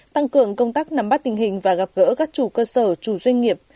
tăng cường công tác nắm bắt tình hình và gặp gỡ các chủ cơ sở chủ doanh nghiệp